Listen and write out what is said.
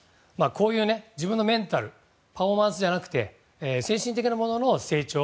こういう自分のメンタルパフォーマンスじゃなくて精神的なものの成長